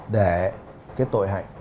để cái tội hạnh